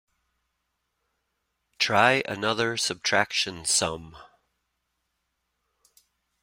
Try another subtraction sum.